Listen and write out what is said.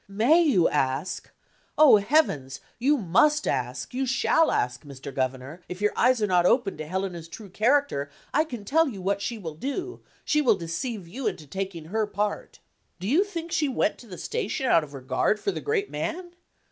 "May you ask? Oh, Heavens! you must ask, you shall ask. Mr. Governor, if your eyes are not opened to Helena's true character, I can tell you what she will do; she will deceive you into taking her part. Do you think she went to the station out of regard for the great man?